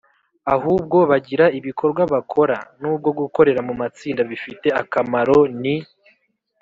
ahubwo bagira ibikorwa bakora. Nubwo gukorera mu matsinda bifite akamaro ni